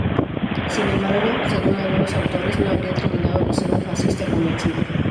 Sin embargo según algunos autores no habría terminado de ser un fascista convencido.